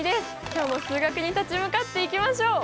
今日も数学に立ち向かっていきましょう！